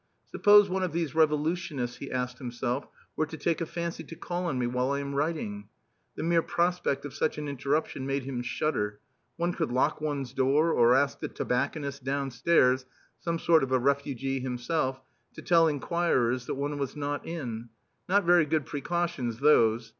"Suppose one of these revolutionists," he asked himself, "were to take a fancy to call on me while I am writing?" The mere prospect of such an interruption made him shudder. One could lock one's door, or ask the tobacconist downstairs (some sort of a refugee himself) to tell inquirers that one was not in. Not very good precautions those.